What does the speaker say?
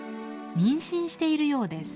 妊娠しているようです。